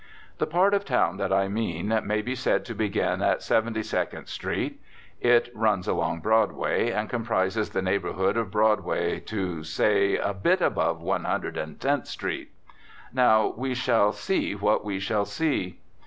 The part of town that I mean may be said to begin at Seventy second Street; it runs along Broadway, and comprises the neighbourhood of Broadway, to, say, a bit above One Hundred and Tenth Street. Now we shall see what we shall see.